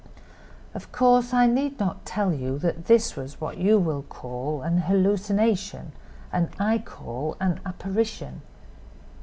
"Of course, I need not tell you that this was what you will call an hallucination and I call an apparition.